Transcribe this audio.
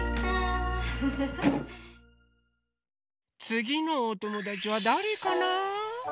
つぎのおともだちはだれかな？